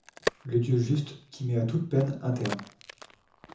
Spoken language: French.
Le Dieu juste, qui met à toute peine un terme